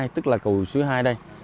tức là cầu số hai đây